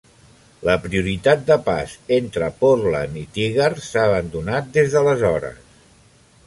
La prioritat de pas entre Portland i Tigard s'ha abandonat des d'aleshores.